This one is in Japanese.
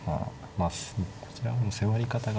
まあこちらも迫り方が。